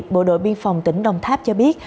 bộ đội biên phòng tỉnh đồng tháp cho biết